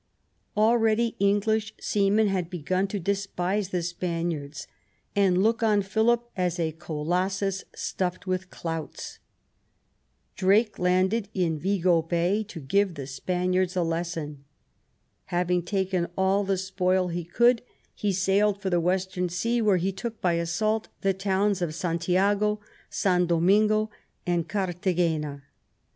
Already English seamen had begun to despise the Spaniards and look on Philip as " a colossus stuffed with clouts ". Drake landed in Vigo Bay to give the Spaniards a lesson. Having taken all the spoil he could, he sailed for the Western Sea, where he took by assault the towns of St. lago, San Domingo and Carthagena.